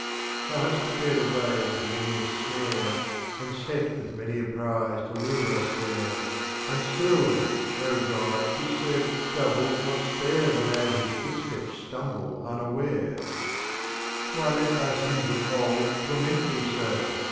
Thou hast prepared a Way with many a Snare, And set with many a Prize to lure us there, And still, Oh, God 't is said. Thou wilt not spare, The Man whose Foot steps stumble unaware! 18 Strophes of Omar Khayyam. IV. Why let Thy Sins of old torment Thee so?